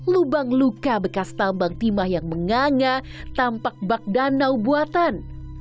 lubang luka bekas tambang timah yang menganga tampak bak danau buatan